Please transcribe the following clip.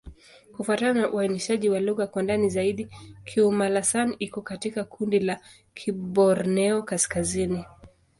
Kufuatana na uainishaji wa lugha kwa ndani zaidi, Kiuma'-Lasan iko katika kundi la Kiborneo-Kaskazini.